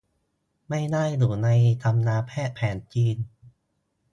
ไม่ได้อยู่ในตำราแพทย์แผนจีน